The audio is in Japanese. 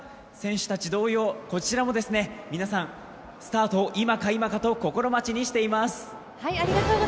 選手たち同様、こちらもスタートを今か今かと心待ちにしています。